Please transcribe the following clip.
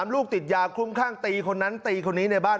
ลูกติดยาคลุมข้างตีคนนั้นตีคนนี้ในบ้าน